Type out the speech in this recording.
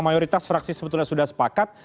mayoritas fraksi sebetulnya sudah sepakat